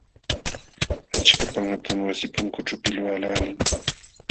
Achka panqatam wasi punkunćhu pilwaqlaalin.